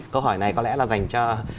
câu hỏi này có lẽ là dành cho